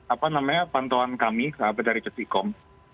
apa namanya pantauan kami dari detikkom